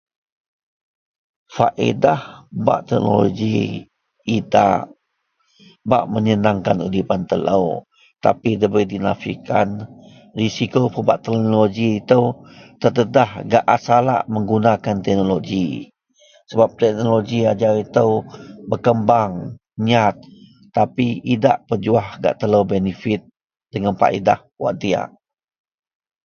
Paedah bak teknoloji idak, bak menyenengkan udipan telou tapi ndabei dinapikan risiko pebak teknoloji itou terdedah gak a salak menggunakan teknoloji sebab teknoloji ajau itou berkembang nyat tapi idak pejuwah gak telou benefit jegem paedah wak diyak.